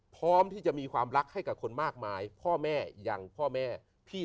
พร้อมที่จะมีความรักให้กับคนมากมายพ่อแม่ยังพ่อแม่พี่